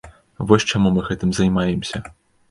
Вось чаму мы гэтым займаемся.